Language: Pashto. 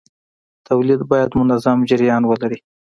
تولید باید منظم جریان ولري.